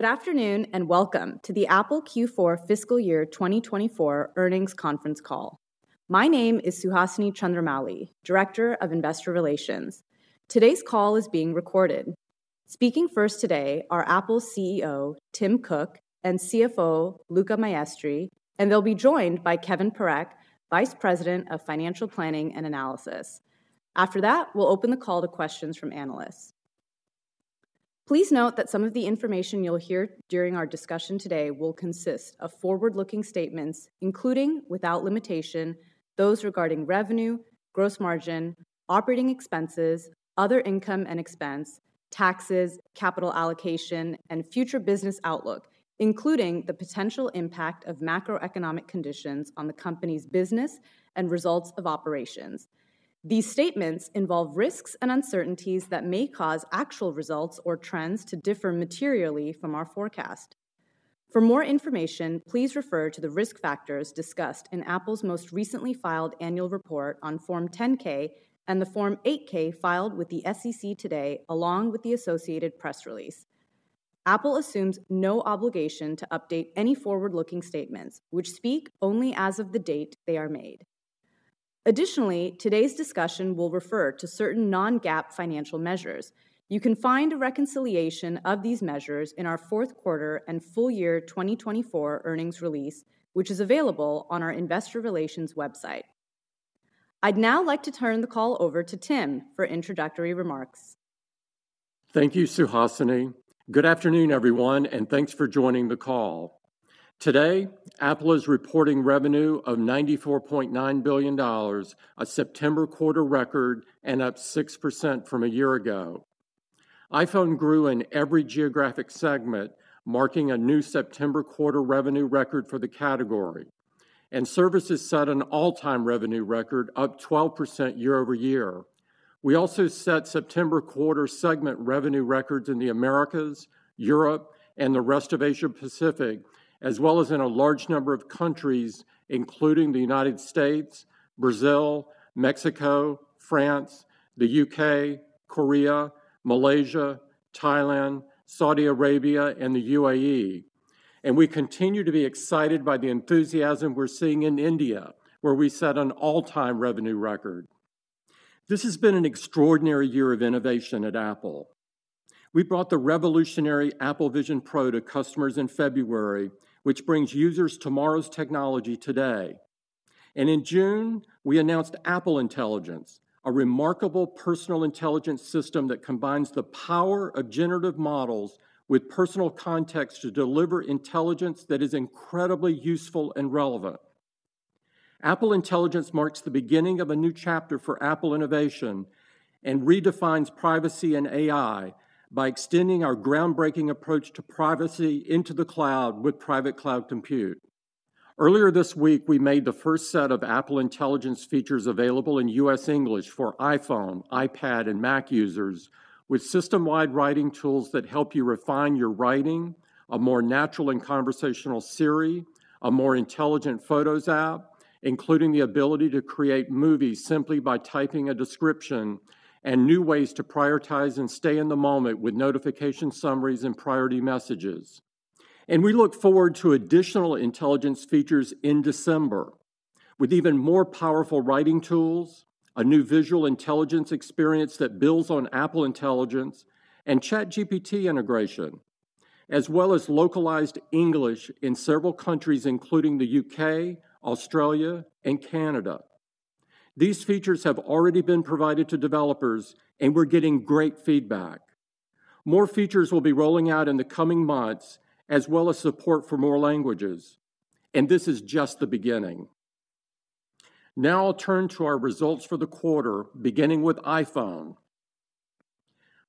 Good afternoon and welcome to the Apple Q4 Fiscal Year 2024 earnings conference call. My name is Suhasini Chandramouli, Director of Investor Relations. Today's call is being recorded. Speaking first today are Apple's CEO, Tim Cook, and CFO, Luca Maestri, and they'll be joined by Kevan Parekh, Vice President of Financial Planning and Analysis. After that, we'll open the call to questions from analysts. Please note that some of the information you'll hear during our discussion today will consist of forward-looking statements, including without limitation, those regarding revenue, gross margin, operating expenses, other income and expense, taxes, capital allocation, and future business outlook, including the potential impact of macroeconomic conditions on the company's business and results of operations. These statements involve risks and uncertainties that may cause actual results or trends to differ materially from our forecast. For more information, please refer to the risk factors discussed in Apple's most recently filed annual report on Form 10-K and the Form 8-K filed with the SEC today, along with the associated press release. Apple assumes no obligation to update any forward-looking statements, which speak only as of the date they are made. Additionally, today's discussion will refer to certain non-GAAP financial measures. You can find a reconciliation of these measures in our fourth quarter and full year 2024 earnings release, which is available on our Investor Relations website. I'd now like to turn the call over to Tim for introductory remarks. Thank you, Suhasini. Good afternoon, everyone, and thanks for joining the call. Today, Apple is reporting revenue of $94.9 billion, a September quarter record and up 6% from a year ago. iPhone grew in every geographic segment, marking a new September quarter revenue record for the category, and services set an all-time revenue record, up 12% year-over-year. We also set September quarter segment revenue records in the Americas, Europe, and the rest of Asia-Pacific, as well as in a large number of countries, including the United States, Brazil, Mexico, France, the U.K., Korea, Malaysia, Thailand, Saudi Arabia, and the UAE. And we continue to be excited by the enthusiasm we're seeing in India, where we set an all-time revenue record. This has been an extraordinary year of innovation at Apple. We brought the revolutionary Apple Vision Pro to customers in February, which brings users tomorrow's technology today. In June, we announced Apple Intelligence, a remarkable personal intelligence system that combines the power of generative models with personal context to deliver intelligence that is incredibly useful and relevant. Apple Intelligence marks the beginning of a new chapter for Apple innovation and redefines privacy and AI by extending our groundbreaking approach to privacy into the cloud with Private Cloud Compute. Earlier this week, we made the first set of Apple Intelligence features available in U.S. English for iPhone, iPad, and Mac users, with system-wide Writing Tools that help you refine your writing, a more natural and conversational Siri, a more intelligent Photos app, including the ability to create movies simply by typing a description, and new ways to prioritize and stay in the moment with notification summaries and priority messages. We look forward to additional intelligence features in December, with even more powerful Writing Tools, a new Visual Intelligence experience that builds on Apple Intelligence and ChatGPT integration, as well as localized English in several countries, including the U.K., Australia, and Canada. These features have already been provided to developers, and we're getting great feedback. More features will be rolling out in the coming months, as well as support for more languages. And this is just the beginning. Now I'll turn to our results for the quarter, beginning with iPhone.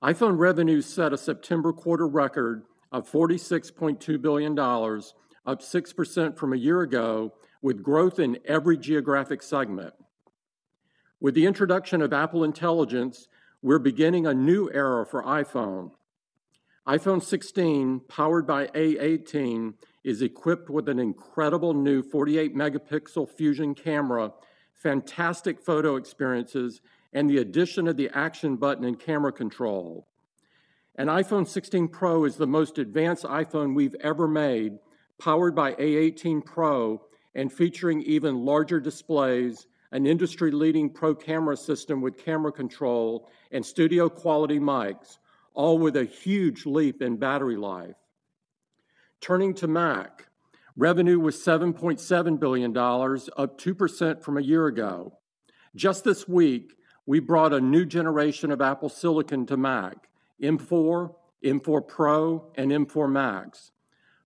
iPhone revenue set a September quarter record of $46.2 billion, up 6% from a year ago, with growth in every geographic segment. With the introduction of Apple Intelligence, we're beginning a new era for iPhone. iPhone 16, powered by A18, is equipped with an incredible new 48-megapixel Fusion camera, fantastic photo experiences, and the addition of the Action button and Camera Control. And iPhone 16 Pro is the most advanced iPhone we've ever made, powered by A18 Pro and featuring even larger displays, an industry-leading Pro camera system with Camera Control, and studio-quality mics, all with a huge leap in battery life. Turning to Mac, revenue was $7.7 billion, up 2% from a year ago. Just this week, we brought a new generation of Apple silicon to Mac, M4, M4 Pro, and M4 Max.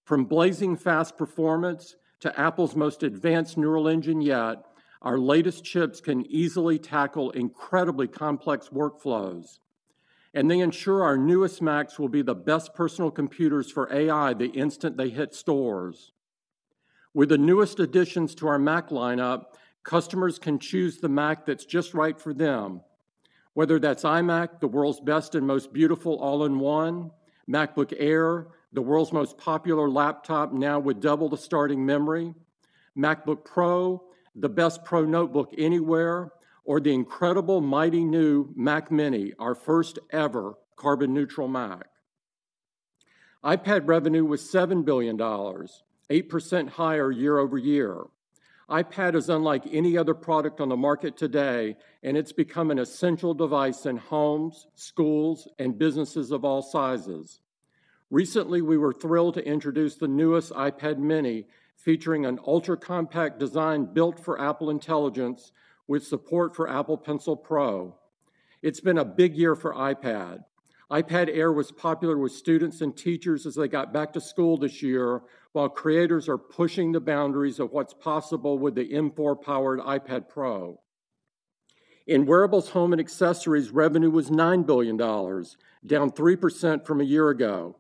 From blazing-fast performance to Apple's most advanced Neural Engine yet, our latest chips can easily tackle incredibly complex workflows. And they ensure our newest Macs will be the best personal computers for AI the instant they hit stores. With the newest additions to our Mac lineup, customers can choose the Mac that's just right for them, whether that's iMac, the world's best and most beautiful all-in-one, MacBook Air, the world's most popular laptop now with double the starting memory, MacBook Pro, the best Pro notebook anywhere, or the incredible, mighty new Mac mini, our first-ever carbon-neutral Mac. iPad revenue was $7 billion, 8% higher year-over-year. iPad is unlike any other product on the market today, and it's become an essential device in homes, schools, and businesses of all sizes. Recently, we were thrilled to introduce the newest iPad mini, featuring an ultra-compact design built for Apple Intelligence, with support for Apple Pencil Pro. It's been a big year for iPad. iPad Air was popular with students and teachers as they got back to school this year, while creators are pushing the boundaries of what's possible with the M4-powered iPad Pro. In wearables, home and accessories, revenue was $9 billion, down 3% from a year ago.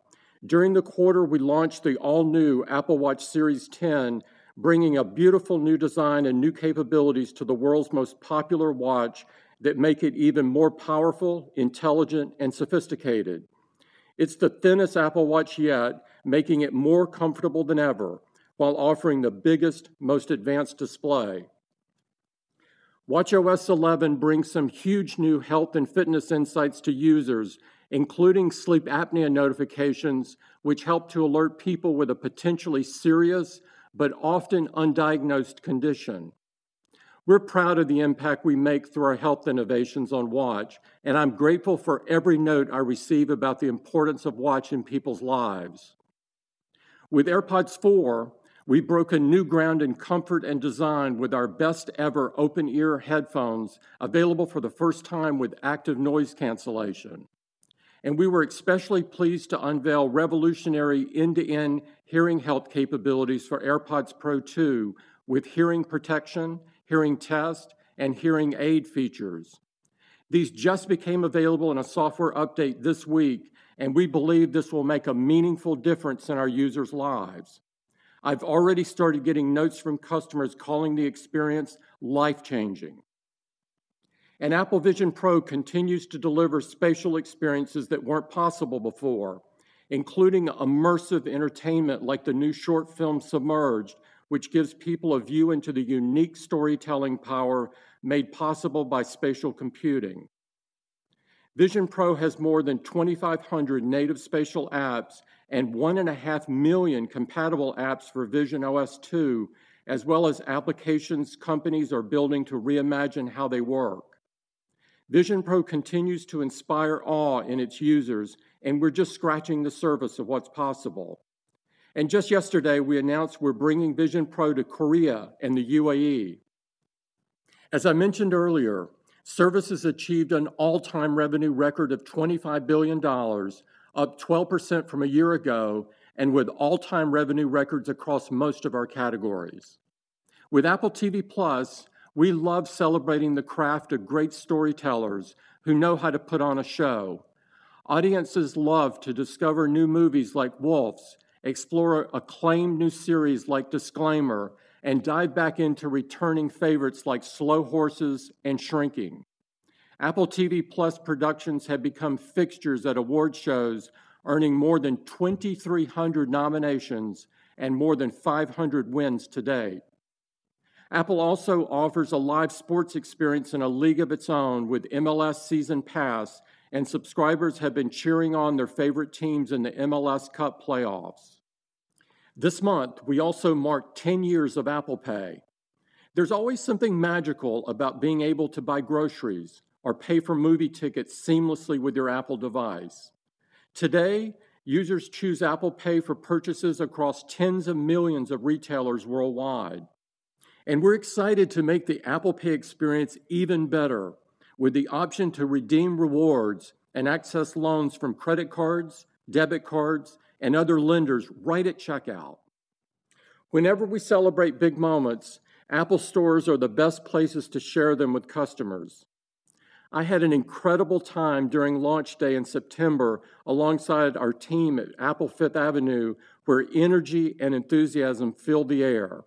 During the quarter, we launched the all-new Apple Watch Series 10, bringing a beautiful new design and new capabilities to the world's most popular watch that make it even more powerful, intelligent, and sophisticated. It's the thinnest Apple Watch yet, making it more comfortable than ever, while offering the biggest, most advanced display. watchOS 11 brings some huge new health and fitness insights to users, including sleep apnea notifications, which help to alert people with a potentially serious but often undiagnosed condition. We're proud of the impact we make through our health innovations on Watch, and I'm grateful for every note I receive about the importance of Watch in people's lives. With AirPods 4, we broke new ground in comfort and design with our best-ever open-ear headphones, available for the first time with Active Noise Cancellation, and we were especially pleased to unveil revolutionary end-to-end hearing health capabilities for AirPods Pro 2, with hearing protection, Hearing Test, and Hearing Aid features. These just became available in a software update this week, and we believe this will make a meaningful difference in our users' lives. I've already started getting notes from customers calling the experience life-changing, and Apple Vision Pro continues to deliver spatial experiences that weren't possible before, including immersive entertainment like the new short film Submerged, which gives people a view into the unique storytelling power made possible by spatial computing. Vision Pro has more than 2,500 native spatial apps and 1.5 million compatible apps for visionOS 2, as well as applications companies are building to reimagine how they work. Vision Pro continues to inspire awe in its users, and we're just scratching the surface of what's possible. Just yesterday, we announced we're bringing Vision Pro to Korea and the UAE. As I mentioned earlier, services achieved an all-time revenue record of $25 billion, up 12% from a year ago, and with all-time revenue records across most of our categories. With Apple TV+, we love celebrating the craft of great storytellers who know how to put on a show. Audiences love to discover new movies like Wolfs, explore acclaimed new series like Disclaimer, and dive back into returning favorites like Slow Horses and Shrinking. Apple TV+ productions have become fixtures at award shows, earning more than 2,300 nominations and more than 500 wins to date. Apple also offers a live sports experience in a league of its own with MLS Season Pass, and subscribers have been cheering on their favorite teams in the MLS Cup playoffs. This month, we also marked 10 years of Apple Pay. There's always something magical about being able to buy groceries or Pay for movie tickets seamlessly with your Apple device. Today, users choose Apple Pay for purchases across tens of millions of retailers worldwide. And we're excited to make the Apple Pay experience even better, with the option to redeem rewards and access loans from credit cards, debit cards, and other lenders right at checkout. Whenever we celebrate big moments, Apple stores are the best places to share them with customers. I had an incredible time during launch day in September alongside our team at Apple Fifth Avenue, where energy and enthusiasm filled the air.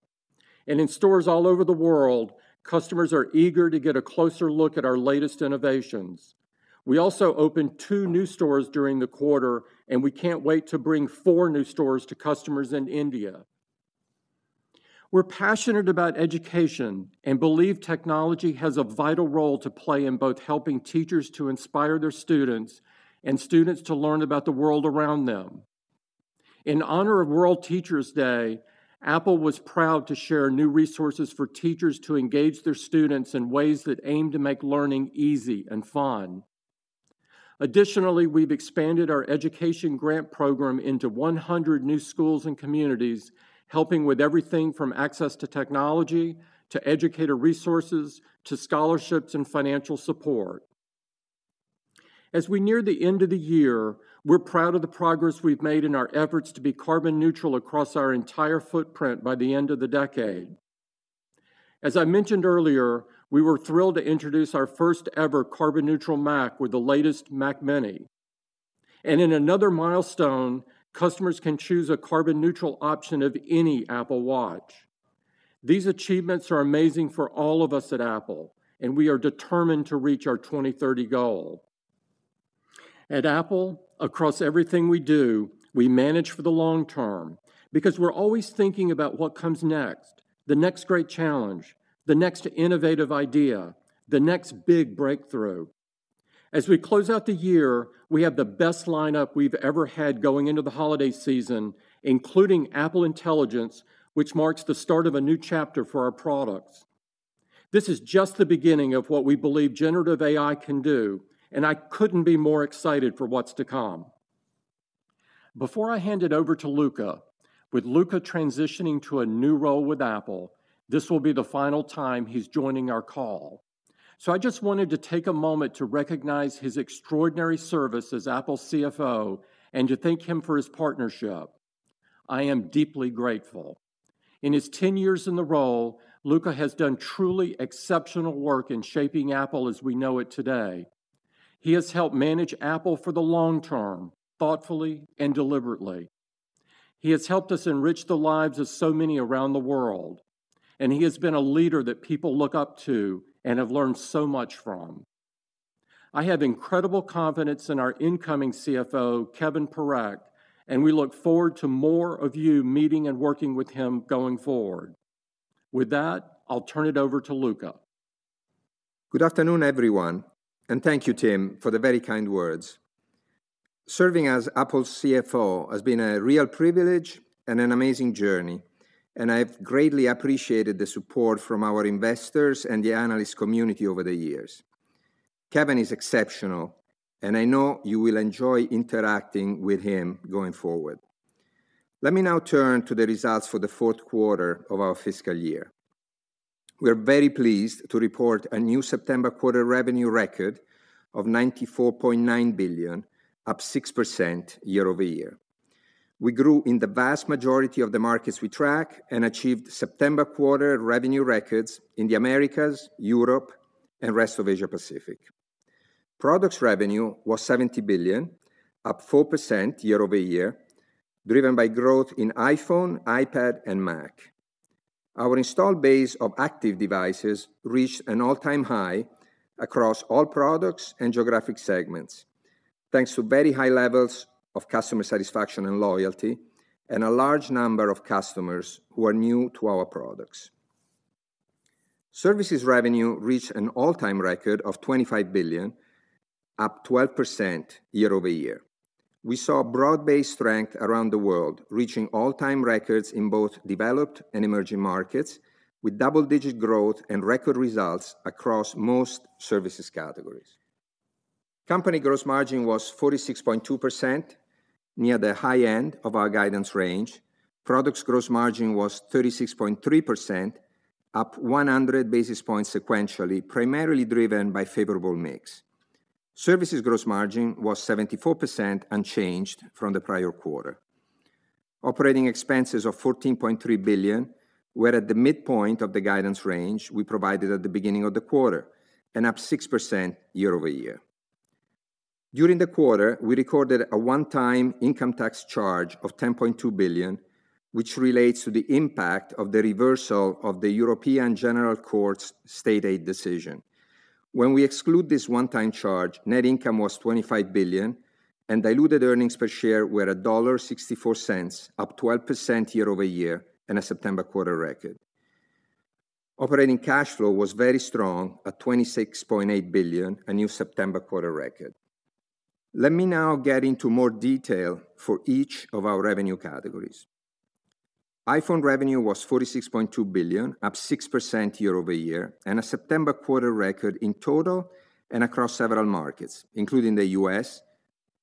And in stores all over the world, customers are eager to get a closer look at our latest innovations. We also opened two new stores during the quarter, and we can't wait to bring four new stores to customers in India. We're passionate about education and believe technology has a vital role to play in both helping teachers to inspire their students and students to learn about the world around them. In honor of World Teachers' Day, Apple was proud to share new resources for teachers to engage their students in ways that aim to make learning easy and fun. Additionally, we've expanded our education grant program into 100 new schools and communities, helping with everything from access to technology to educator resources to scholarships and financial support. As we near the end of the year, we're proud of the progress we've made in our efforts to be carbon neutral across our entire footprint by the end of the decade. As I mentioned earlier, we were thrilled to introduce our first-ever carbon neutral Mac with the latest Mac mini. And in another milestone, customers can choose a carbon neutral option of any Apple Watch. These achievements are amazing for all of us at Apple, and we are determined to reach our 2030 goal. At Apple, across everything we do, we manage for the long term because we're always thinking about what comes next, the next great challenge, the next innovative idea, the next big breakthrough. As we close out the year, we have the best lineup we've ever had going into the holiday season, including Apple Intelligence, which marks the start of a new chapter for our products. This is just the beginning of what we believe generative AI can do, and I couldn't be more excited for what's to come. Before I hand it over to Luca, with Luca transitioning to a new role with Apple, this will be the final time he's joining our call. So I just wanted to take a moment to recognize his extraordinary service as Apple CFO and to thank him for his partnership. I am deeply grateful. In his 10 years in the role, Luca has done truly exceptional work in shaping Apple as we know it today. He has helped manage Apple for the long term, thoughtfully and deliberately. He has helped us enrich the lives of so many around the world, and he has been a leader that people look up to and have learned so much from. I have incredible confidence in our incoming CFO, Kevan Parekh, and we look forward to more of you meeting and working with him going forward. With that, I'll turn it over to Luca. Good afternoon, everyone, and thank you, Tim, for the very kind words. Serving as Apple's CFO has been a real privilege and an amazing journey, and I've greatly appreciated the support from our investors and the analyst community over the years. Kevan is exceptional, and I know you will enjoy interacting with him going forward. Let me now turn to the results for the fourth quarter of our fiscal year. We're very pleased to report a new September quarter revenue record of $94.9 billion, up 6% year-over-year. We grew in the vast majority of the markets we track and achieved September quarter revenue records in the Americas, Europe, and rest of Asia-Pacific. Products revenue was $70 billion, up 4% year-over-year, driven by growth in iPhone, iPad, and Mac. Our installed base of active devices reached an all-time high across all products and geographic segments, thanks to very high levels of customer satisfaction and loyalty, and a large number of customers who are new to our products. Services revenue reached an all-time record of $25 billion, up 12% year-over-year. We saw broad-based strength around the world, reaching all-time records in both developed and emerging markets, with double-digit growth and record results across most services categories. Company gross margin was 46.2%, near the high end of our guidance range. Products gross margin was 36.3%, up 100 basis points sequentially, primarily driven by favorable mix. Services gross margin was 74%, unchanged from the prior quarter. Operating expenses of $14.3 billion were at the midpoint of the guidance range we provided at the beginning of the quarter, and up 6% year-over-year. During the quarter, we recorded a one-time income tax charge of $10.2 billion, which relates to the impact of the reversal of the European General Court's state aid decision. When we exclude this one-time charge, net income was $25 billion, and diluted earnings per share were $1.64, up 12% year-over-year in a September quarter record. Operating cash flow was very strong, at $26.8 billion, a new September quarter record. Let me now get into more detail for each of our revenue categories. iPhone revenue was $46.2 billion, up 6% year-over-year, and a September quarter record in total and across several markets, including the U.S.,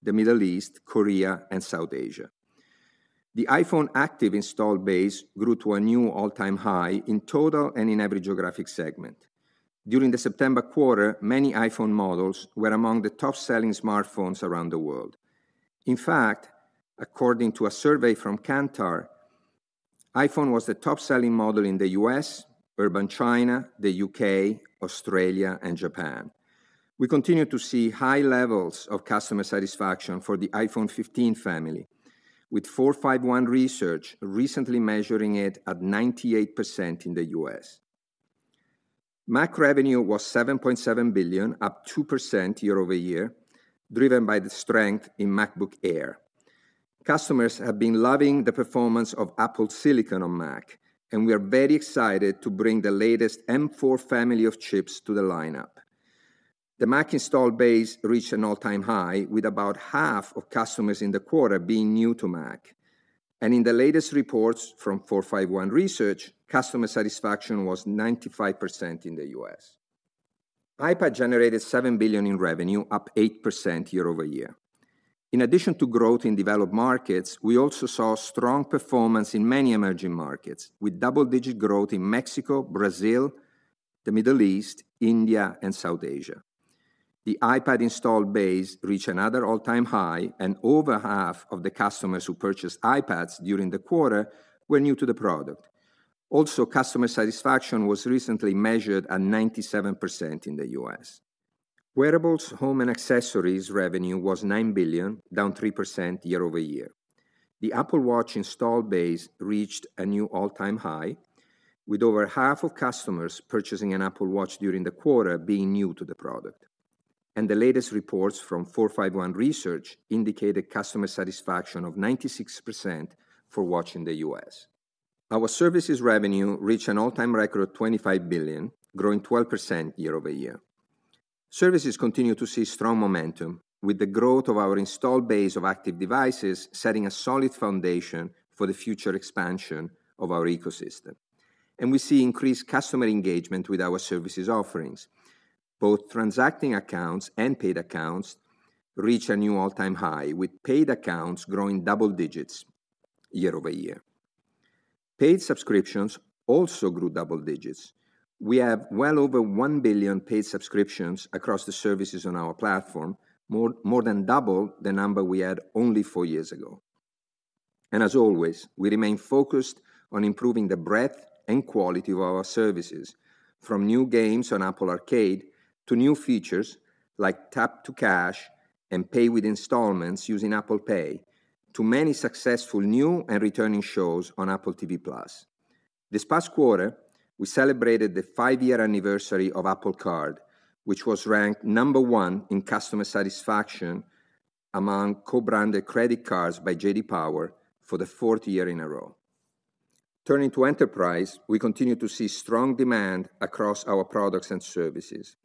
the Middle East, Korea, and South Asia. The iPhone active installed base grew to a new all-time high in total and in every geographic segment. During the September quarter, many iPhone models were among the top-selling smartphones around the world. In fact, according to a survey from Kantar, iPhone was the top-selling model in the U.S., urban China, the U.K., Australia, and Japan. We continue to see high levels of customer satisfaction for the iPhone 15 family, with 451 Research recently measuring it at 98% in the U.S. Mac revenue was $7.7 billion, up 2% year-over-year, driven by the strength in MacBook Air. Customers have been loving the performance of Apple silicon on Mac, and we are very excited to bring the latest M4 family of chips to the lineup. The Mac installed base reached an all-time high, with about half of customers in the quarter being new to Mac. In the latest reports from 451 Research, customer satisfaction was 95% in the U.S. iPad generated $7 billion in revenue, up 8% year-over-year. In addition to growth in developed markets, we also saw strong performance in many emerging markets, with double-digit growth in Mexico, Brazil, the Middle East, India, and South Asia. The iPad installed base reached another all-time high, and over half of the customers who purchased iPads during the quarter were new to the product. Also, customer satisfaction was recently measured at 97% in the U.S. Wearables, home, and accessories revenue was $9 billion, down 3% year-over-year. The Apple Watch installed base reached a new all-time high, with over half of customers purchasing an Apple Watch during the quarter being new to the product. The latest reports from 451 Research indicated customer satisfaction of 96% for the Apple Watch in the U.S. Our services revenue reached an all-time record of $25 billion, growing 12% year-over-year. Services continue to see strong momentum, with the growth of our installed base of active devices setting a solid foundation for the future expansion of our ecosystem. We see increased customer engagement with our services offerings. Both transacting accounts and paid accounts reach a new all-time high, with paid accounts growing double digits year-over-year. Paid subscriptions also grew double digits. We have well over $1 billion paid subscriptions across the services on our platform, more than double the number we had only four years ago. As always, we remain focused on improving the breadth and quality of our services, from new games on Apple Arcade to new features like Tap to Cash and pay with installments using Apple Pay, to many successful new and returning shows on Apple TV+. This past quarter, we celebrated the five-year anniversary of Apple Card, which was ranked number one in customer satisfaction among co-branded credit cards by J.D. Power for the fourth year in a row. Turning to enterprise, we continue to see strong demand across our products and services.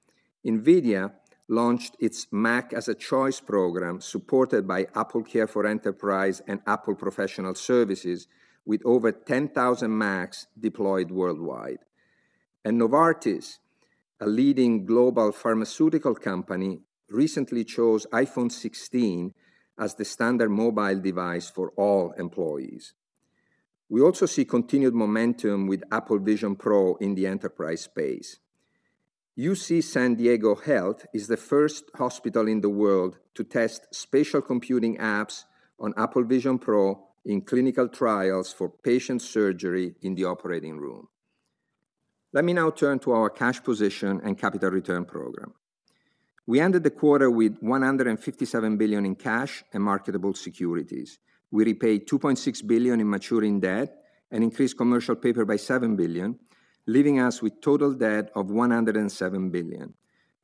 NVIDIA launched its Mac as a Choice program supported by AppleCare for Enterprise and Apple Professional Services, with over 10,000 Macs deployed worldwide. Novartis, a leading global pharmaceutical company, recently chose iPhone 16 as the standard mobile device for all employees. We also see continued momentum with Apple Vision Pro in the enterprise space. UC San Diego Health is the first hospital in the world to test spatial computing apps on Apple Vision Pro in clinical trials for patient surgery in the operating room. Let me now turn to our cash position and capital return program. We ended the quarter with $157 billion in cash and marketable securities. We repaid $2.6 billion in maturing debt and increased commercial paper by $7 billion, leaving us with total debt of $107 billion.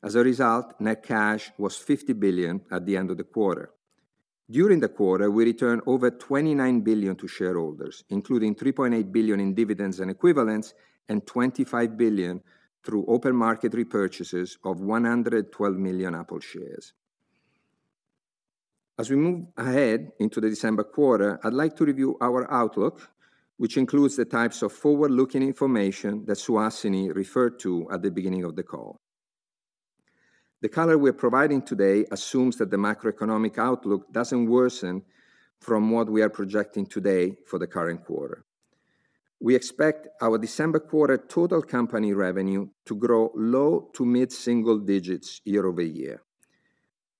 As a result, net cash was $50 billion at the end of the quarter. During the quarter, we returned over $29 billion to shareholders, including $3.8 billion in dividends and equivalents, and $25 billion through open market repurchases of 112 million Apple shares. As we move ahead into the December quarter, I'd like to review our outlook, which includes the types of forward-looking information that Suhasini referred to at the beginning of the call. The color we're providing today assumes that the macroeconomic outlook doesn't worsen from what we are projecting today for the current quarter. We expect our December quarter total company revenue to grow low to mid-single digits year-over-year.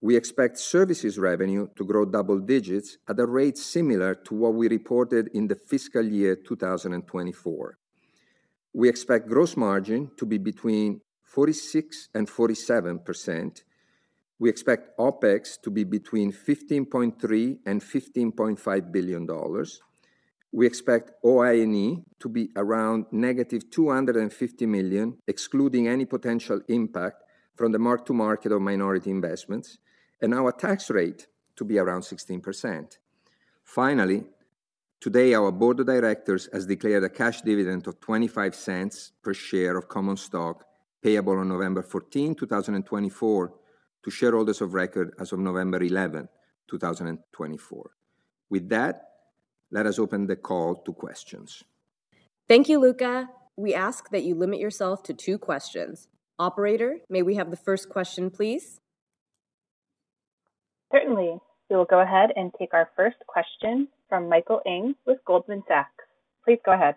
We expect services revenue to grow double digits at a rate similar to what we reported in the fiscal year 2024. We expect gross margin to be between 46% and 47%. We expect OpEx to be between $15.3 and $15.5 billion. We expect OI&E to be around negative $250 million, excluding any potential impact from the mark-to-market of minority investments, and our tax rate to be around 16%. Finally, today, our board of directors has declared a cash dividend of $0.25 per share of common stock payable on November 14, 2024, to shareholders of record as of November 11, 2024. With that, let us open the call to questions. Thank you, Luca. We ask that you limit yourself to two questions. Operator, may we have the first question, please? Certainly. We will go ahead and take our first question from Michael Ng with Goldman Sachs. Please go ahead.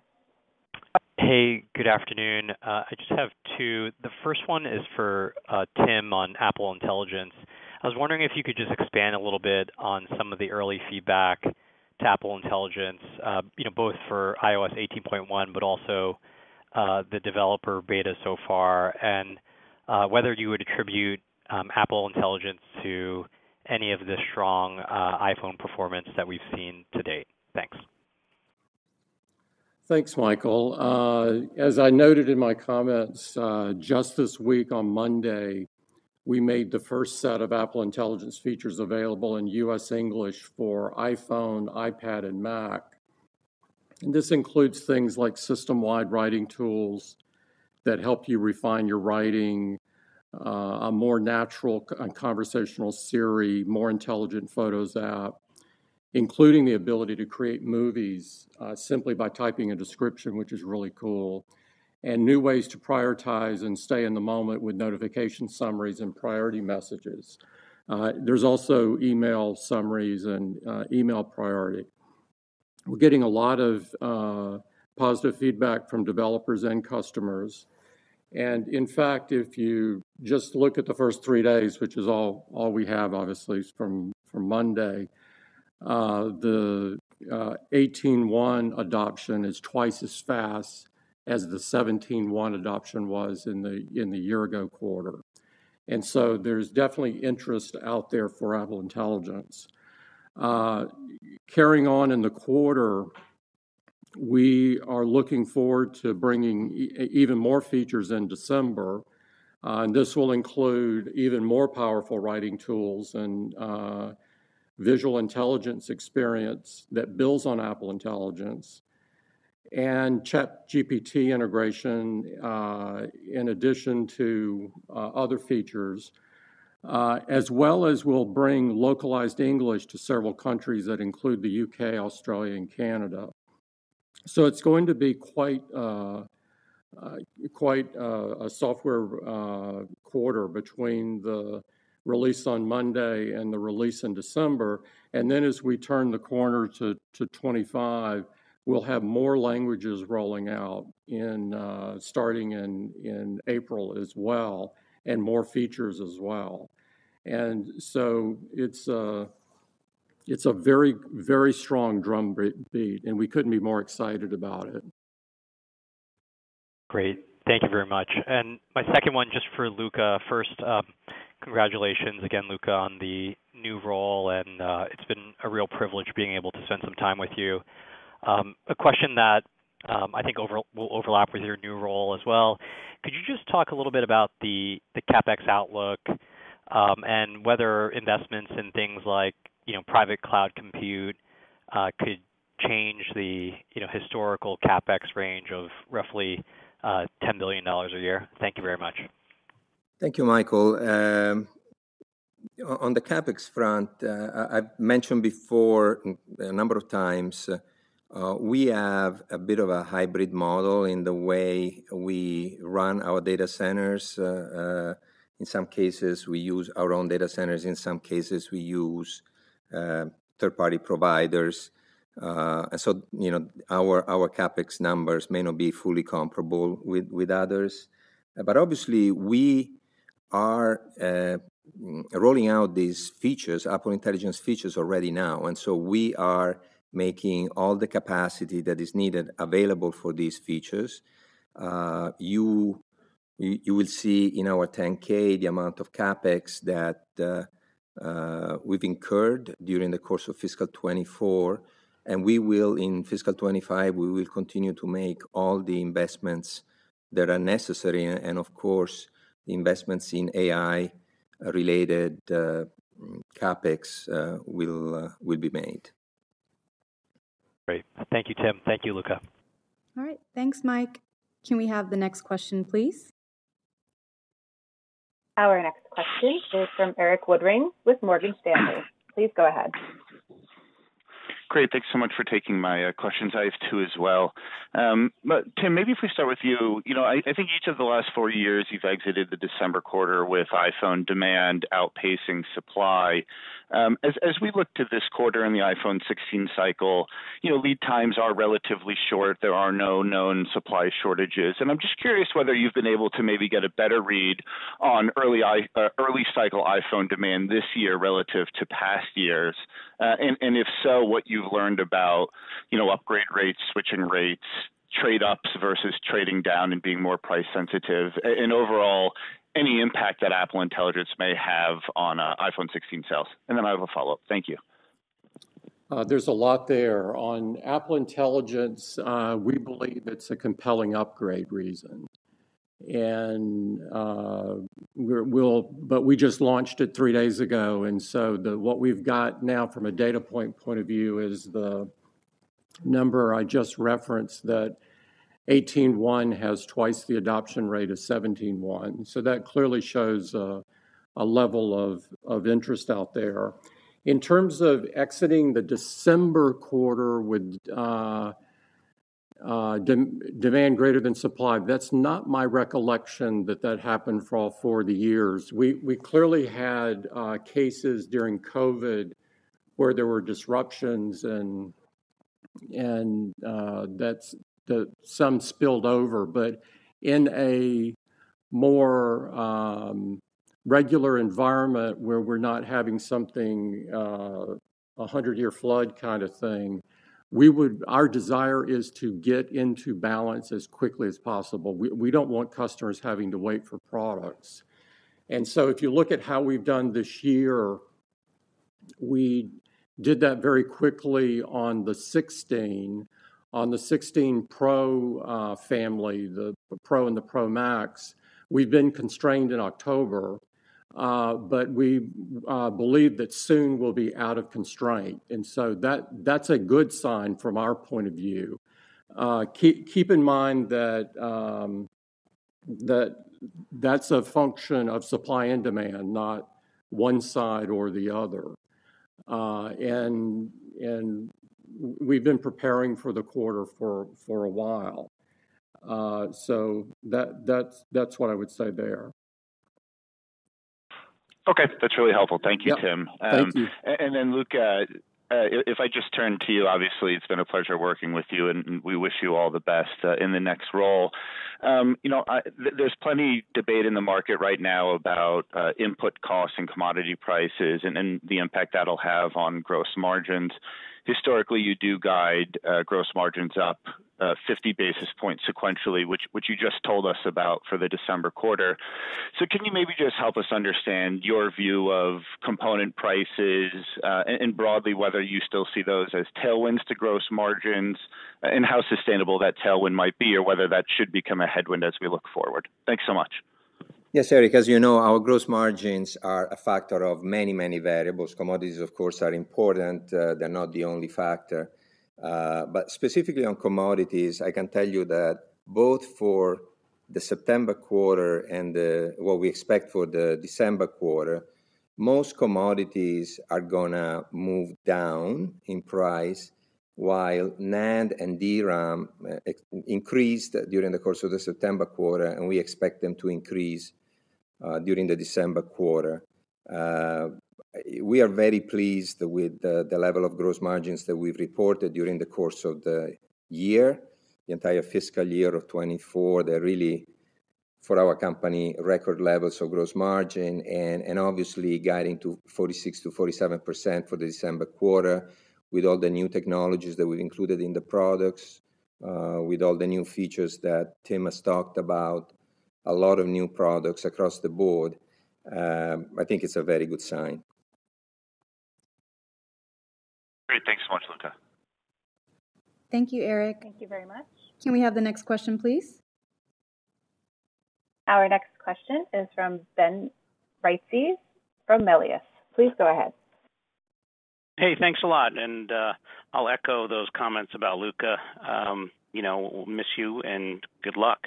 Hey, good afternoon. I just have two. The first one is for Tim on Apple Intelligence. I was wondering if you could just expand a little bit on some of the early feedback to Apple Intelligence, both for iOS 18.1, but also the developer beta so far, and whether you would attribute Apple Intelligence to any of the strong iPhone performance that we've seen to date. Thanks. Thanks, Michael. As I noted in my comments, just this week on Monday, we made the first set of Apple Intelligence features available in U.S. English for iPhone, iPad, and Mac. And this includes things like system-wide Writing Tools that help you refine your writing, a more natural and conversational Siri, more intelligent Photos app, including the ability to create movies simply by typing a description, which is really cool, and new ways to prioritize and stay in the moment with notification summaries and priority messages. There's also email summaries and email priority. We're getting a lot of positive feedback from developers and customers. And in fact, if you just look at the first three days, which is all we have, obviously, from Monday, the 18.1 adoption is twice as fast as the 17.1 adoption was in the year-ago quarter. And so there's definitely interest out there for Apple Intelligence. Carrying on in the quarter, we are looking forward to bringing even more features in December. And this will include even more powerful Writing Tools and Visual Intelligence experience that builds on Apple Intelligence and ChatGPT integration in addition to other features, as well as we'll bring localized English to several countries that include the U.K., Australia, and Canada. So it's going to be quite a software quarter between the release on Monday and the release in December. And then as we turn the corner to 2025, we'll have more languages rolling out starting in April as well, and more features as well. And so it's a very, very strong drumbeat, and we couldn't be more excited about it. Great. Thank you very much. And my second one just for Luca. First, congratulations again, Luca, on the new role, and it's been a real privilege being able to spend some time with you. A question that I think will overlap with your new role as well. Could you just talk a little bit about the CapEx outlook and whether investments in things like Private Cloud Compute could change the historical CapEx range of roughly $10 billion a year? Thank you very much. Thank you, Michael. On the CapEx front, I've mentioned before a number of times we have a bit of a hybrid model in the way we run our data centers. In some cases, we use our own data centers. In some cases, we use third-party providers. And so our CapEx numbers may not be fully comparable with others. But obviously, we are rolling out these features, Apple Intelligence features already now. And so we are making all the capacity that is needed available for these features. You will see in our 10-K the amount of CapEx that we've incurred during the course of fiscal 2024. And in fiscal 2025, we will continue to make all the investments that are necessary. And of course, the investments in AI-related CapEx will be made. Great. Thank you, Tim. Thank you, Luca. All right. Thanks, Mike. Can we have the next question, please? Our next question is from Erik Woodring with Morgan Stanley. Please go ahead. Great. Thanks so much for taking my questions. I have two as well. Tim, maybe if we start with you. I think each of the last four years, you've exited the December quarter with iPhone demand outpacing supply. As we look to this quarter in the iPhone 16 cycle, lead times are relatively short. There are no known supply shortages. And I'm just curious whether you've been able to maybe get a better read on early-cycle iPhone demand this year relative to past years. And if so, what you've learned about upgrade rates, switching rates, trade-ups versus trading down and being more price-sensitive, and overall, any impact that Apple Intelligence may have on iPhone 16 sales. And then I have a follow-up. Thank you. There's a lot there. On Apple Intelligence, we believe it's a compelling upgrade reason, but we just launched it three days ago, and so what we've got now from a data point of view is the number I just referenced that 18.1 has twice the adoption rate of 17.1. So that clearly shows a level of interest out there. In terms of exiting the December quarter with demand greater than supply, that's not my recollection that happened for all four of the years. We clearly had cases during COVID where there were disruptions, and some spilled over, but in a more regular environment where we're not having something a hundred-year flood kind of thing, our desire is to get into balance as quickly as possible. We don't want customers having to wait for products. And so if you look at how we've done this year, we did that very quickly on the 16 Pro family, the Pro and the Pro Max. We've been constrained in October, but we believe that soon we'll be out of constraint. And so that's a good sign from our point of view. Keep in mind that that's a function of supply and demand, not one side or the other. And we've been preparing for the quarter for a while. So that's what I would say there. Okay. That's really helpful. Thank you, Tim. Thank you. And then, Luca, if I just turn to you, obviously, it's been a pleasure working with you, and we wish you all the best in the next role. There's plenty of debate in the market right now about input costs and commodity prices and the impact that'll have on gross margins. Historically, you do guide gross margins up 50 basis points sequentially, which you just told us about for the December quarter, so can you maybe just help us understand your view of component prices and broadly whether you still see those as tailwinds to gross margins and how sustainable that tailwind might be or whether that should become a headwind as we look forward? Thanks so much. Yes, Erik. As you know, our gross margins are a factor of many, many variables. Commodities, of course, are important. They're not the only factor. But specifically on commodities, I can tell you that both for the September quarter and what we expect for the December quarter, most commodities are going to move down in price, while NAND and DRAM increased during the course of the September quarter, and we expect them to increase during the December quarter. We are very pleased with the level of gross margins that we've reported during the course of the year, the entire fiscal year of 2024. They're really, for our company, record levels of gross margin and obviously guiding to 46%-47% for the December quarter with all the new technologies that we've included in the products, with all the new features that Tim has talked about, a lot of new products across the board. I think it's a very good sign. Great. Thanks so much, Luca. Thank you, Erik. Thank you very much. Can we have the next question, please? Our next question is from Ben Reitzes from Melius. Please go ahead. Hey, thanks a lot. And I'll echo those comments about Luca. We'll miss you, and good luck.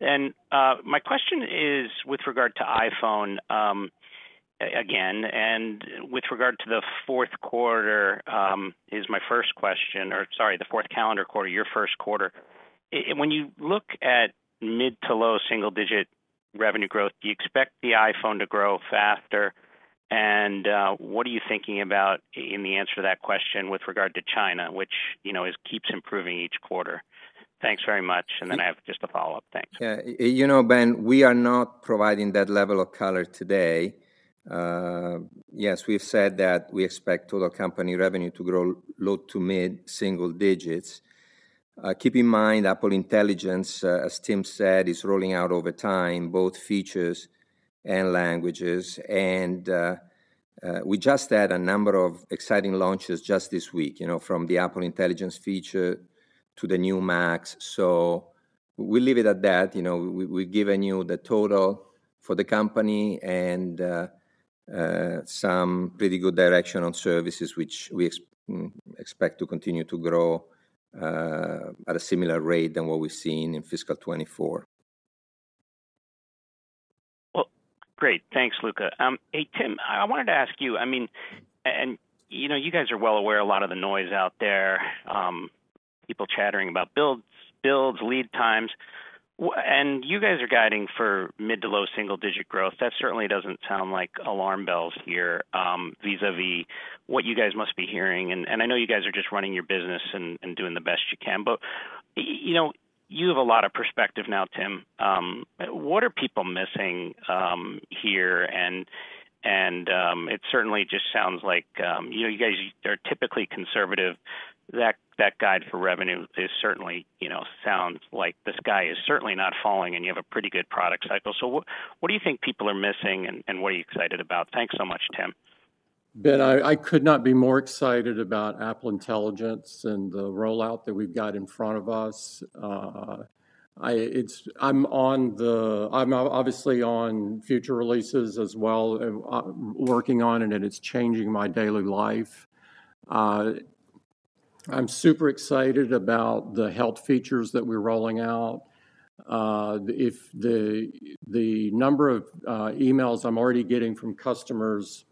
My question is with regard to iPhone again, and with regard to the fourth quarter is my first question, or sorry, the fourth calendar quarter, your first quarter. When you look at mid- to low-single-digit revenue growth, do you expect the iPhone to grow faster? And what are you thinking about in the answer to that question with regard to China, which keeps improving each quarter? Thanks very much. And then I have just a follow-up. Thanks. Yeah. You know, Ben, we are not providing that level of color today. Yes, we've said that we expect total company revenue to grow low- to mid-single digits. Keep in mind Apple Intelligence, as Tim said, is rolling out over time, both features and languages. And we just had a number of exciting launches just this week from the Apple Intelligence feature to the new Macs. So we'll leave it at that. We're giving you the total for the company and some pretty good direction on services, which we expect to continue to grow at a similar rate than what we've seen in fiscal 2024. Well, great. Thanks, Luca. Hey, Tim, I wanted to ask you, I mean, and you guys are well aware a lot of the noise out there, people chattering about builds, lead times. And you guys are guiding for mid to low single-digit growth. That certainly doesn't sound like alarm bells here vis-à-vis what you guys must be hearing. And I know you guys are just running your business and doing the best you can, but you have a lot of perspective now, Tim. What are people missing here? And it certainly just sounds like you guys are typically conservative. That guide for revenue certainly sounds like this guy is certainly not falling, and you have a pretty good product cycle. So what do you think people are missing, and what are you excited about? Thanks so much, Tim. Ben, I could not be more excited about Apple Intelligence and the rollout that we've got in front of us. I'm obviously on future releases as well, working on it, and it's changing my daily life. I'm super excited about the health features that we're rolling out. The number of emails I'm already getting from customers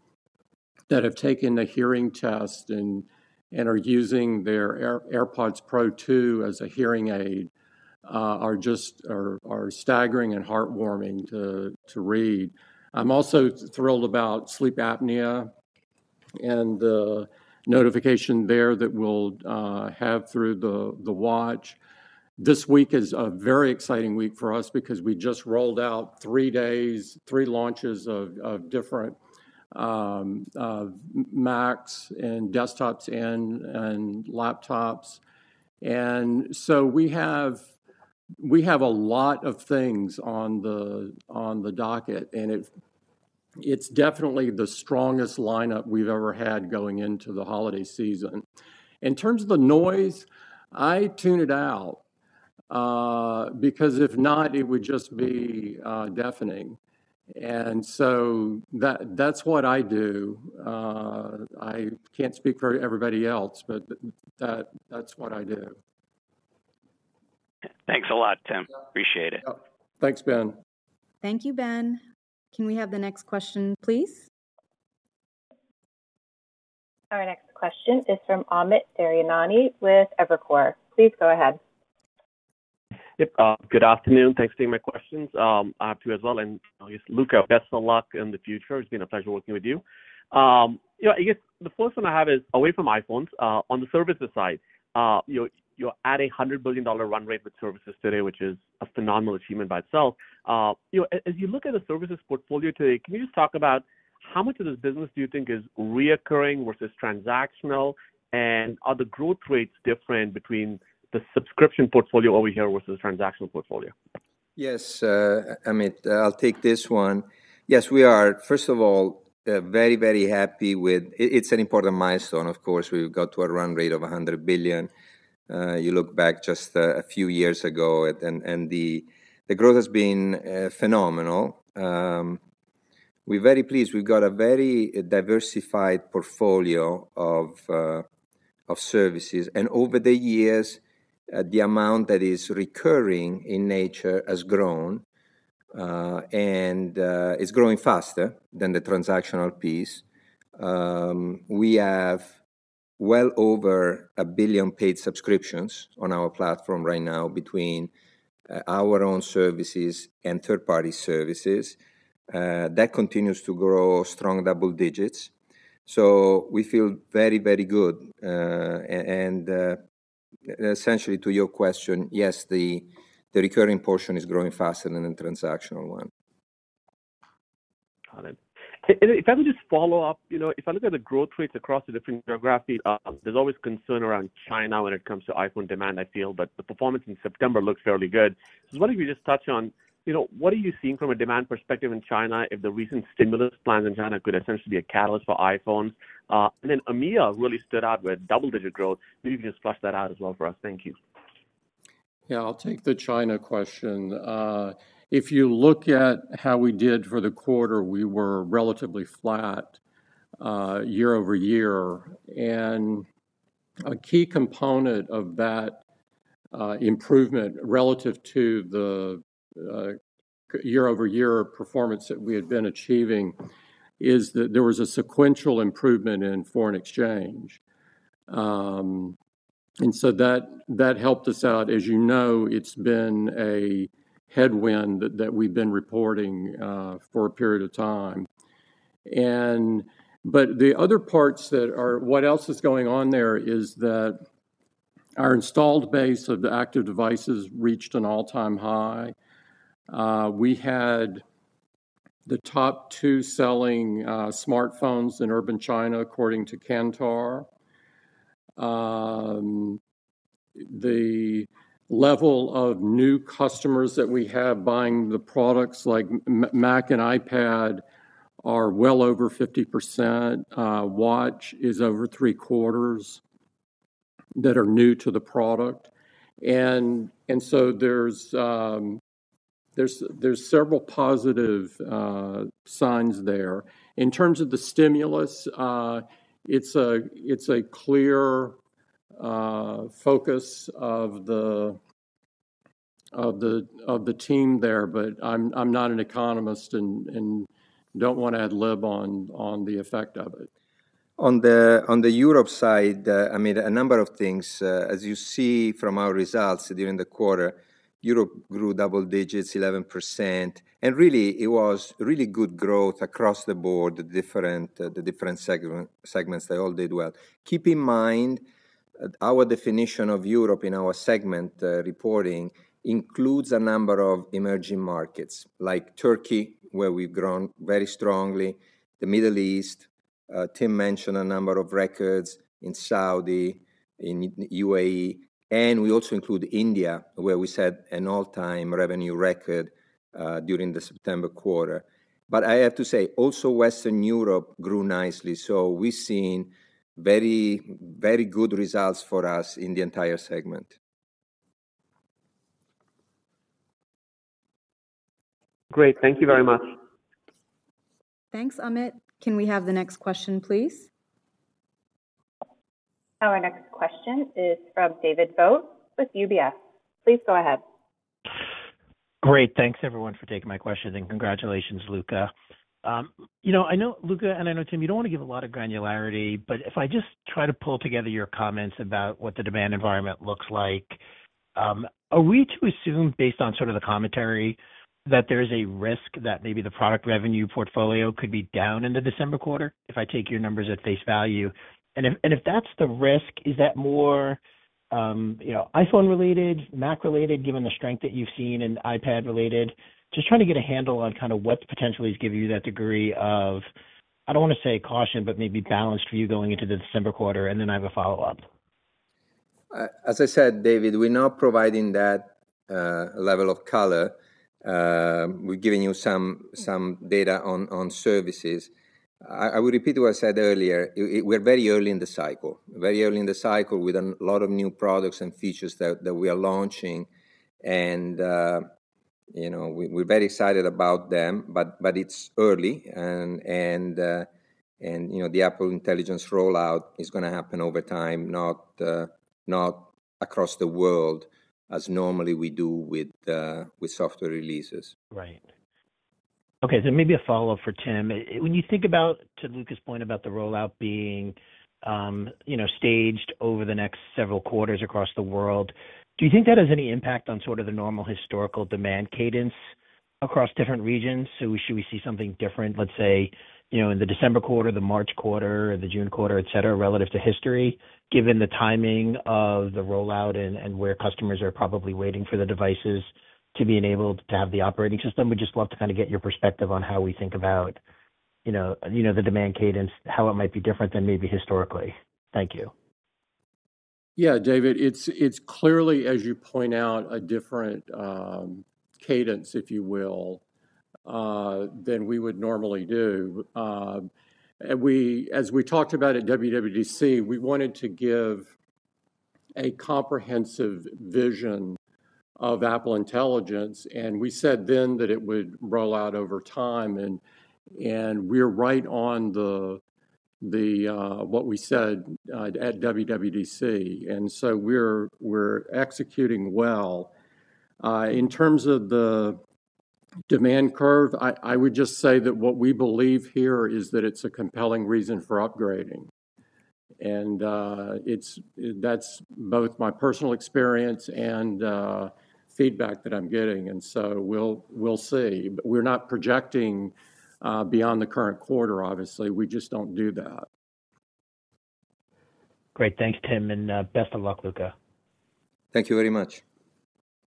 that have taken a hearing test and are using their AirPods Pro 2 as a Hearing Aid are staggering and heartwarming to read. I'm also thrilled about sleep apnea and the notification there that we'll have through the watch. This week is a very exciting week for us because we just rolled out three days, three launches of different Macs and desktops and laptops, and so we have a lot of things on the docket, and it's definitely the strongest lineup we've ever had going into the holiday season. In terms of the noise, I tune it out because if not, it would just be deafening, and so that's what I do. I can't speak for everybody else, but that's what I do. Thanks a lot, Tim. Appreciate it. Thanks, Ben. Thank you, Ben. Can we have the next question, please? Our next question is from Amit Daryanani with Evercore. Please go ahead. Yep. Good afternoon. Thanks for taking my questions. I have two as well, and Luca, best of luck in the future. It's been a pleasure working with you. I guess the first one I have is away from iPhones. On the services side, you're at a $100 billion run rate with services today, which is a phenomenal achievement by itself. As you look at the services portfolio today, can you just talk about how much of this business do you think is recurring versus transactional? And are the growth rates different between the subscription portfolio over here versus the transactional portfolio? Yes. Amit, I'll take this one. Yes, we are, first of all, very, very happy with it. It's an important milestone. Of course, we've got to a run rate of $100 billion. You look back just a few years ago, and the growth has been phenomenal. We're very pleased. We've got a very diversified portfolio of services. And over the years, the amount that is recurring in nature has grown and is growing faster than the transactional piece. We have well over a billion paid subscriptions on our platform right now between our own services and third-party services. That continues to grow strong double digits. So we feel very, very good. And essentially, to your question, yes, the recurring portion is growing faster than the transactional one. Got it. If I could just follow up, if I look at the growth rates across the different geographies, there's always concern around China when it comes to iPhone demand, I feel. But the performance in September looked fairly good. So what did we just touch on? What are you seeing from a demand perspective in China if the recent stimulus plans in China could essentially be a catalyst for iPhones? And then EMEA really stood out with double-digit growth. Maybe you can just flesh that out as well for us. Thank you. Yeah, I'll take the China question. If you look at how we did for the quarter, we were relatively flat year-over-year, and a key component of that improvement relative to the year-over-year performance that we had been achieving is that there was a sequential improvement in foreign exchange, and so that helped us out. As you know, it's been a headwind that we've been reporting for a period of time, but the other parts that are what else is going on there is that our installed base of the active devices reached an all-time high. We had the top two selling smartphones in urban China according to Kantar. The level of new customers that we have buying the products like Mac and iPad are well over 50%. Watch is over three-quarters that are new to the product, and so there's several positive signs there. In terms of the stimulus, it's a clear focus of the team there, but I'm not an economist and don't want to ad lib on the effect of it. On the Europe side, I mean, a number of things. As you see from our results during the quarter, Europe grew double digits, 11%. And really, it was really good growth across the board, the different segments that all did well. Keep in mind our definition of Europe in our segment reporting includes a number of emerging markets like Turkey, where we've grown very strongly, the Middle East. Tim mentioned a number of records in Saudi, in UAE. And we also include India, where we set an all-time revenue record during the September quarter. But I have to say, also Western Europe grew nicely. So we've seen very, very good results for us in the entire segment. Great. Thank you very much. Thanks, Amit. Can we have the next question, please? Our next question is from David Vogt with UBS. Please go ahead. Great. Thanks, everyone, for taking my question. And congratulations, Luca. I know, Luca, and I know, Tim, you don't want to give a lot of granularity, but if I just try to pull together your comments about what the demand environment looks like, are we to assume, based on sort of the commentary, that there is a risk that maybe the product revenue portfolio could be down in the December quarter if I take your numbers at face value? And if that's the risk, is that more iPhone-related, Mac-related, given the strength that you've seen, and iPad-related? Just trying to get a handle on kind of what potentially is giving you that degree of, I don't want to say caution, but maybe balance for you going into the December quarter, and then I have a follow-up. As I said, David, we're not providing that level of color. We're giving you some data on services. I will repeat what I said earlier. We're very early in the cycle. Very early in the cycle with a lot of new products and features that we are launching. And we're very excited about them, but it's early. And the Apple Intelligence rollout is going to happen over time, not across the world as normally we do with software releases. Right. Okay. So maybe a follow-up for Tim. When you think about, to Luca's point, about the rollout being staged over the next several quarters across the world, do you think that has any impact on sort of the normal historical demand cadence across different regions? So should we see something different, let's say, in the December quarter, the March quarter, or the June quarter, etc., relative to history, given the timing of the rollout and where customers are probably waiting for the devices to be enabled to have the operating system? We'd just love to kind of get your perspective on how we think about the demand cadence, how it might be different than maybe historically. Thank you. Yeah, David, it's clearly, as you point out, a different cadence, if you will, than we would normally do. As we talked about at WWDC, we wanted to give a comprehensive vision of Apple Intelligence. And we said then that it would roll out over time. And we're right on what we said at WWDC. And so we're executing well. In terms of the demand curve, I would just say that what we believe here is that it's a compelling reason for upgrading. And that's both my personal experience and feedback that I'm getting. And so we'll see. But we're not projecting beyond the current quarter, obviously. We just don't do that. Great. Thanks, Tim. And best of luck, Luca. Thank you very much.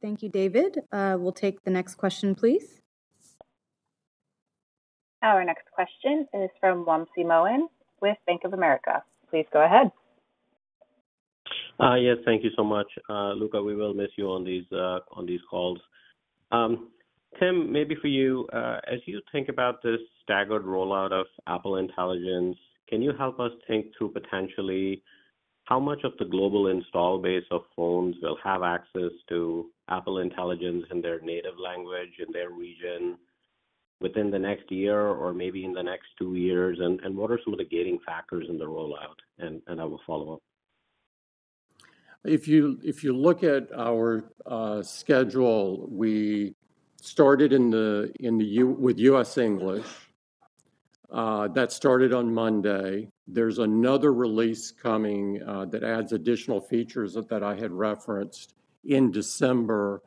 Thank you, David. We'll take the next question, please. Our next question is from Wamsi Mohan with Bank of America. Please go ahead. Yes, thank you so much, Luca. We will miss you on these calls. Tim, maybe for you, as you think about this staggered rollout of Apple Intelligence, can you help us think through potentially how much of the global installed base of phones will have access to Apple Intelligence in their native language in their region within the next year or maybe in the next two years? And what are some of the gating factors in the rollout? And I will follow up. If you look at our schedule, we started with U.S. English. That started on Monday. There's another release coming that adds additional features that I had referenced in December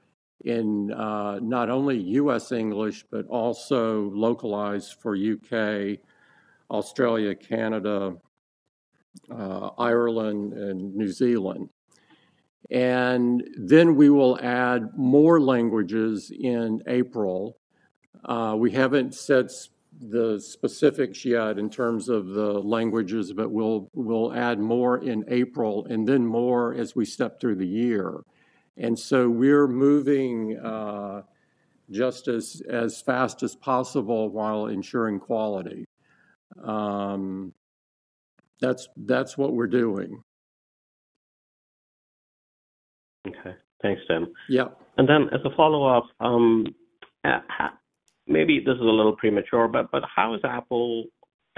in not only U.S. English, but also localized for U.K., Australia, Canada, Ireland, and New Zealand. And then we will add more languages in April. We haven't set the specifics yet in terms of the languages, but we'll add more in April and then more as we step through the year. And so we're moving just as fast as possible while ensuring quality. That's what we're doing. Okay. Thanks, Tim. Yeah. And then as a follow-up, maybe this is a little premature, but how is Apple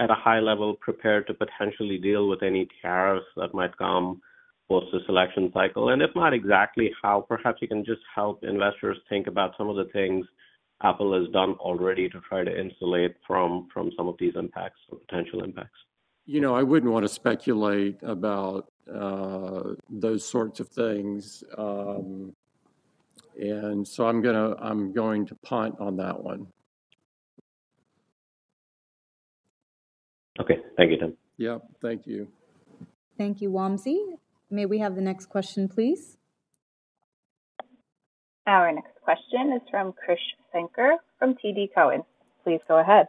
at a high level prepared to potentially deal with any tariffs that might come post the selection cycle? And if not exactly how, perhaps you can just help investors think about some of the things Apple has done already to try to insulate from some of these impacts or potential impacts. I wouldn't want to speculate about those sorts of things. And so I'm going to punt on that one. Okay. Thank you, Tim. Yep. Thank you. Thank you, Wamsi. May we have the next question, please? Our next question is from Krish Sankar from TD Cowen. Please go ahead.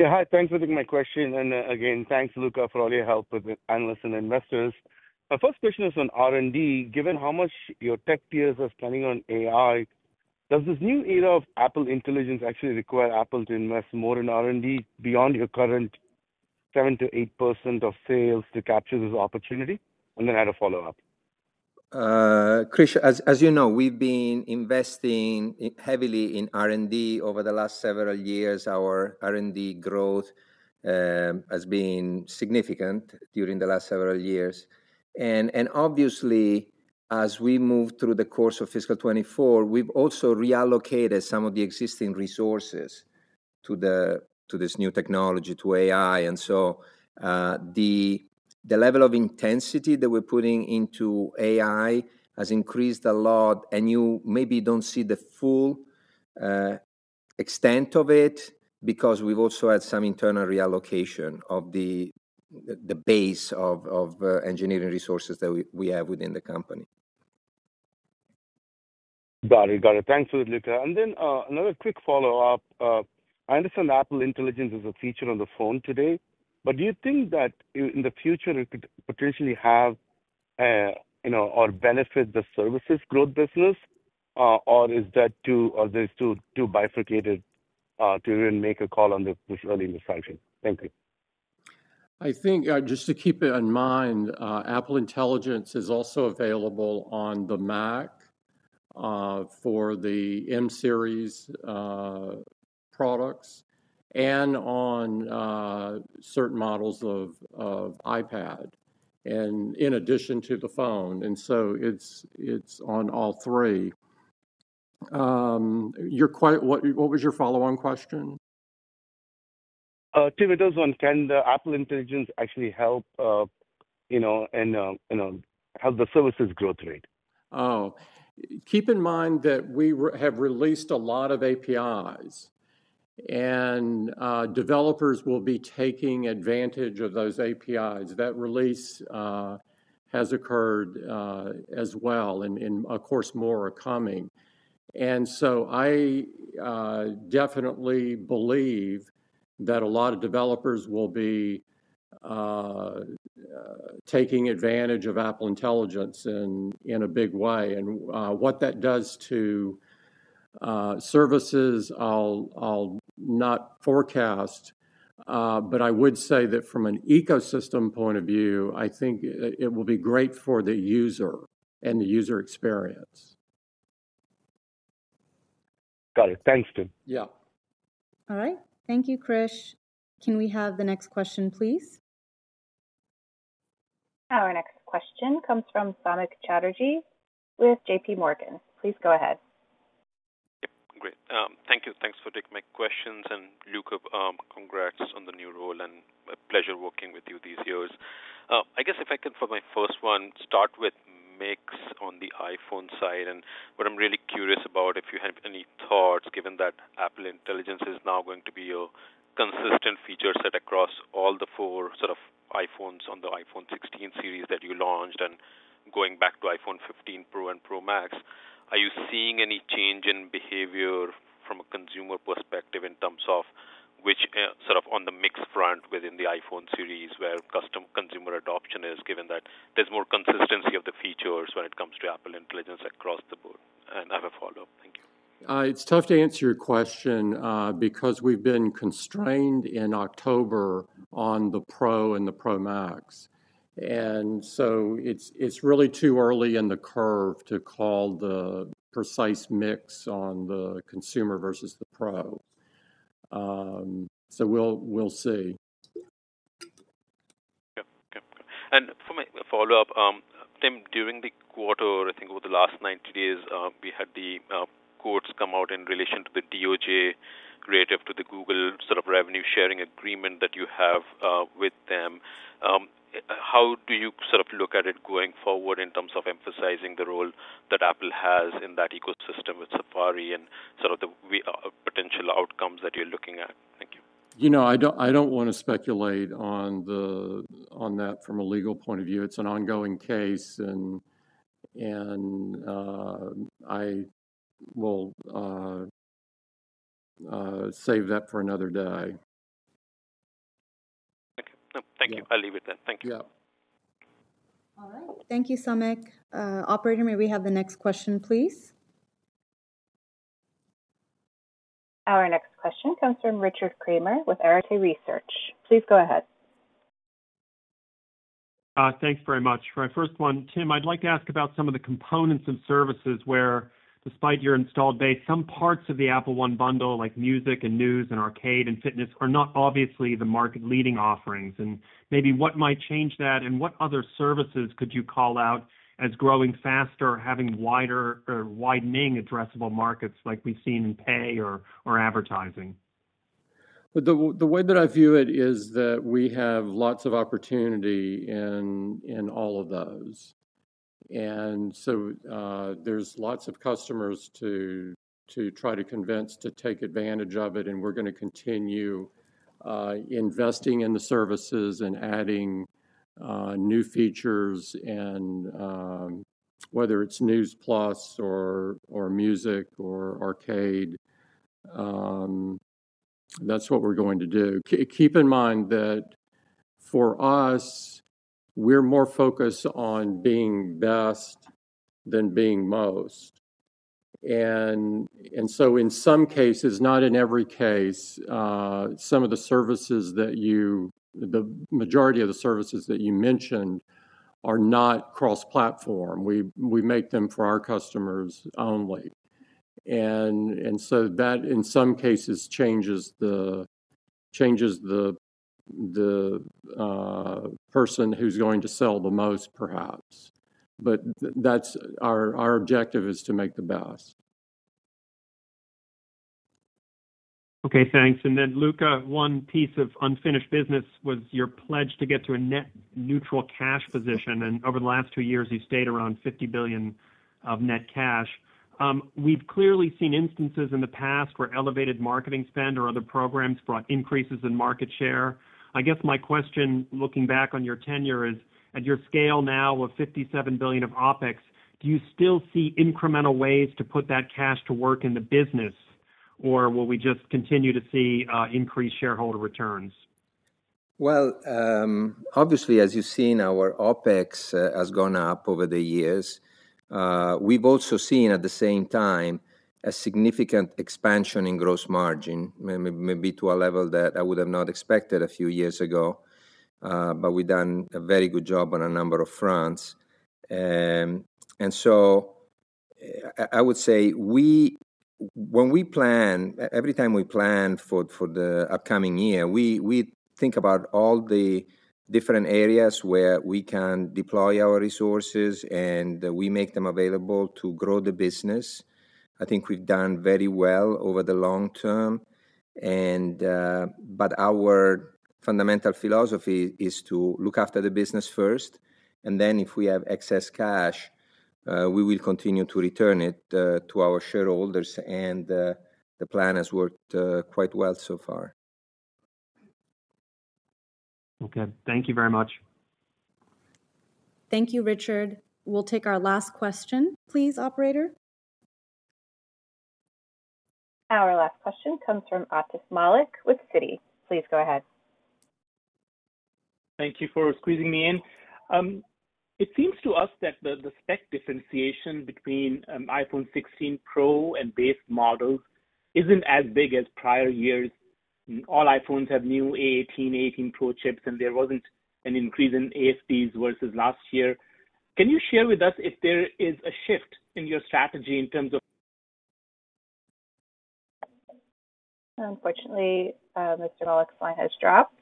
Yeah. Hi. Thanks for taking my question. Again, thanks, Luca, for all your help with analysts and investors. My first question is on R&D. Given how much your tech peers are spending on AI, does this new era of Apple Intelligence actually require Apple to invest more in R&D beyond your current 7%-8% of sales to capture this opportunity? And then I have a follow-up. Krish, as you know, we've been investing heavily in R&D over the last several years. Our R&D growth has been significant during the last several years. And obviously, as we move through the course of fiscal 2024, we've also reallocated some of the existing resources to this new technology, to AI. And so the level of intensity that we're putting into AI has increased a lot. And you maybe don't see the full extent of it because we've also had some internal reallocation of the base of engineering resources that we have within the company. Got it. Got it. Thanks for that, Luca. And then another quick follow-up. I understand Apple Intelligence is a feature on the phone today. But do you think that in the future it could potentially have or benefit the services growth business, or is that too or there's too bifurcated to even make a call on this early in the session? Thank you. I think just to keep it in mind, Apple Intelligence is also available on the Mac for the M-series products and on certain models of iPad in addition to the phone. And so it's on all three. What was your follow-on question? Tim, it does one. Can Apple Intelligence actually help and help the services growth rate? Oh. Keep in mind that we have released a lot of APIs. And developers will be taking advantage of those APIs. That release has occurred as well. And of course, more are coming. And so I definitely believe that a lot of developers will be taking advantage of Apple Intelligence in a big way. And what that does to services, I'll not forecast. But I would say that from an ecosystem point of view, I think it will be great for the user and the user experience. Got it. Thanks, Tim. Yeah. All right. Thank you, Krish. Can we have the next question, please? Our next question comes from Samik Chatterjee with JPMorgan. Please go ahead. Yep. Great. Thank you. Thanks for taking my questions. And Luca, congrats on the new role. And a pleasure working with you these years. I guess if I can for my first one, start with mix on the iPhone side. And what I'm really curious about if you have any thoughts, given that Apple Intelligence is now going to be a consistent feature set across all the four sort of iPhones on the iPhone 16 series that you launched and going back to iPhone 15 Pro and Pro Max. Are you seeing any change in behavior from a consumer perspective in terms of which sort of on the mix front within the iPhone series where consumer adoption is, given that there's more consistency of the features when it comes to Apple Intelligence across the board? And I have a follow-up. Thank you. It's tough to answer your question because we've been constrained in October on the Pro and the Pro Max. And so it's really too early in the cycle to call the precise mix of Macs on the consumer versus the Pro. So we'll see. Yep. Yep. And for my follow-up, Tim, during the quarter, I think over the last 90 days, we had the quotes come out in relation to the DOJ relative to the Google sort of revenue-sharing agreement that you have with them. How do you sort of look at it going forward in terms of emphasizing the role that Apple has in that ecosystem with Safari and sort of the potential outcomes that you're looking at? Thank you. I don't want to speculate on that from a legal point of view. It's an ongoing case. And I will save that for another day. Okay. Thank you. I'll leave it there. Thank you. Yep. All right. Thank you, Samik. Operator, may we have the next question, please? Our next question comes from Richard Kramer with Arete Research. Please go ahead. Thanks very much. For my first one, Tim, I'd like to ask about some of the components and services where, despite your installed base, some parts of the Apple One bundle, like Music and News and Arcade and Fitness, are not obviously the market-leading offerings. And maybe what might change that? And what other services could you call out as growing faster, having widening addressable markets like we've seen in Pay or advertising? The way that I view it is that we have lots of opportunity in all of those. And so there's lots of customers to try to convince to take advantage of it. And we're going to continue investing in the services and adding new features. And whether it's News+ or Music or Arcade, that's what we're going to do. Keep in mind that for us, we're more focused on being best than being most. And so in some cases, not in every case, some of the services, the majority of the services that you mentioned are not cross-platform. We make them for our customers only. And so that, in some cases, changes the person who's going to sell the most, perhaps. But our objective is to make the best. Okay. Thanks. And then, Luca, one piece of unfinished business was your pledge to get to a net cash neutral position. And over the last two years, you stayed around $50 billion of net cash. We've clearly seen instances in the past where elevated marketing spend or other programs brought increases in market share. I guess my question, looking back on your tenure, is at your scale now of $57 billion of OpEx, do you still see incremental ways to put that cash to work in the business? Or will we just continue to see increased shareholder returns? Well, obviously, as you've seen, our OpEx has gone up over the years. We've also seen, at the same time, a significant expansion in gross margin, maybe to a level that I would have not expected a few years ago. But we've done a very good job on a number of fronts. And so I would say when we plan, every time we plan for the upcoming year, we think about all the different areas where we can deploy our resources and we make them available to grow the business. I think we've done very well over the long term. But our fundamental philosophy is to look after the business first. And then if we have excess cash, we will continue to return it to our shareholders. And the plan has worked quite well so far. Okay. Thank you very much. Thank you, Richard. We'll take our last question. Please, Operator. Our last question comes from Atif Malik with Citi. Please go ahead. Thank you for squeezing me in. It seems to us that the spec differentiation between iPhone 16 Pro and base models isn't as big as prior years. All iPhones have new A18, A18 Pro chips. And there wasn't an increase in ASPs versus last year. Can you share with us if there is a shift in your strategy in terms of? Unfortunately, Mr. Malik's line has dropped.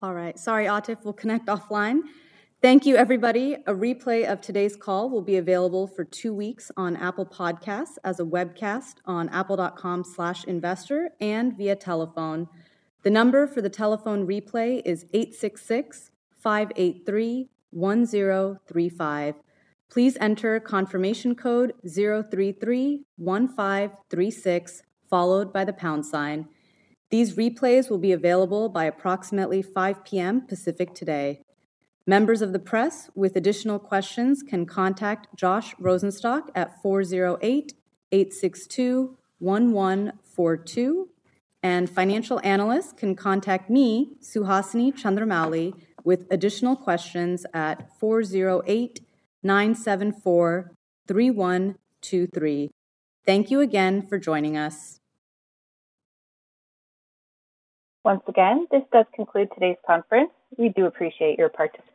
All right. Sorry, Atif. We'll connect offline. Thank you, everybody. A replay of today's call will be available for two weeks on Apple Podcasts as a webcast on apple.com/investor and via telephone. The number for the telephone replay is 866-583-1035. Please enter confirmation code 0331536 followed by the pound sign. These replays will be available by approximately 5:00 P.M. Pacific today. Members of the press with additional questions can contact Josh Rosenstock at 408-862-1142, and financial analysts can contact me, Suhasini Chandramouli, w ith additional questions at 408-974-3123. Thank you again for joining us. Once again, this does conclude today's conference. We do appreciate your participation.